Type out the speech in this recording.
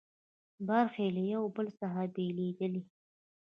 برخې له یو بل څخه بېلېدلې.